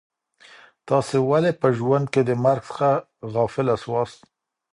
تاسي ولي په ژوند کي د مرګ څخه غافله سواست؟